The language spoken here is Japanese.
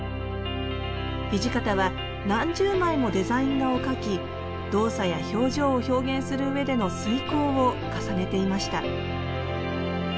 土方は何十枚もデザイン画を描き動作や表情を表現する上での推敲を重ねていました